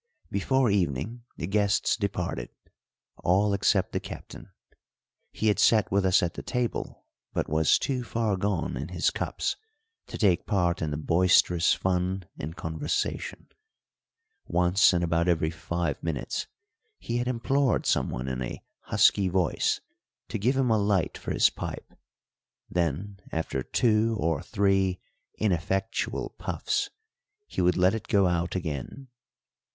Before evening the guests departed, all except the Captain. He had sat with us at the table, but was too far gone in his cups to take part in the boisterous fun and conversation. Once in about every five minutes he had implored someone in a husky voice to give him a light for his pipe, then, after two or three ineffectual puffs, he would let it go out again.